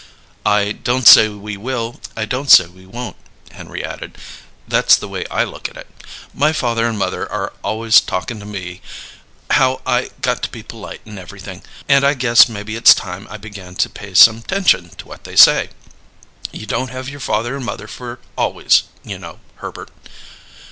"I don't say we will and I don't say we won't," Henry added. "That's the way I look at it. My father and mother are always talkin' to me: how I got to be polite and everything, and I guess maybe it's time I began to pay some 'tention to what they say. You don't have your father and mother for always, you know, Herbert."